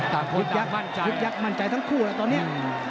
ทุกยักษ์มั่นใจทั้งคู่แล้วตอนนี้